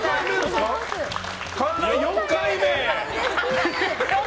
４回目！